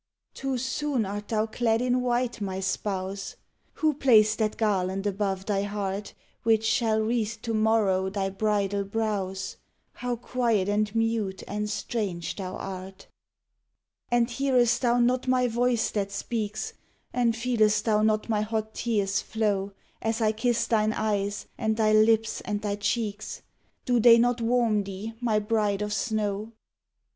Too soon art thou clad in white, my spouse: Who placed that garland above thy heart Which shall wreathe to morrow thy bridal brows? How quiet and mute and strange thou art! And hearest thou not my voice that speaks? And feelest thou not my hot tears flow As I kiss thine eyes and thy lips and thy cheeks? Do they not warm thee, my bride of snow?